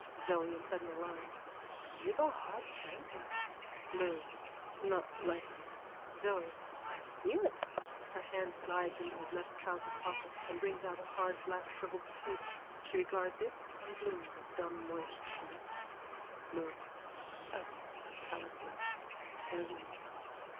ZOE: (In sudden alarm.) You've a hard chancre. BLOOM: Not likely. ZOE: I feel it. _(Her hand slides into his left trouser pocket and brings out a hard black shrivelled potato. She regards it and Bloom with dumb moist lips.)_ BLOOM: A talisman. Heirloom.